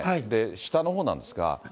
下のほうなんですが。